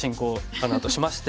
あのあとしまして。